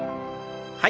はい。